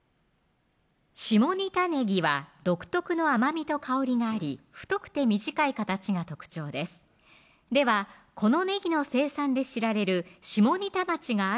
下仁田ネギは独特の甘みと香りがあり太くて短い形が特徴ですではこのネギの生産で知られる下仁田町があるのは何県でしょう